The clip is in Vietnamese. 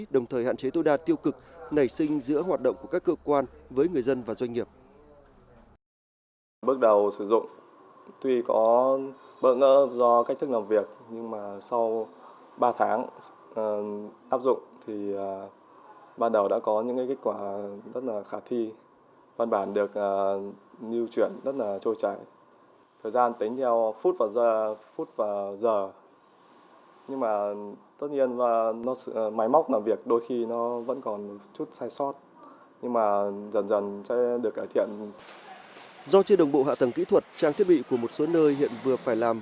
do trên đồng bộ hạ tầng kỹ thuật trang thiết bị của một số nơi hiện vừa phải làm